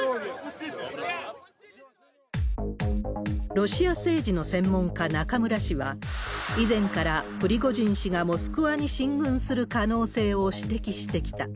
ロシア政治の専門家、中村氏は、以前からプリゴジン氏がモスクワに進軍する可能性を指摘してきた。